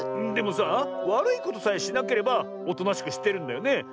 でもさあわるいことさえしなければおとなしくしてるんだよね？